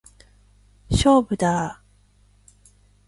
勝負だー！